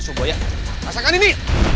sumpah ya masakan ini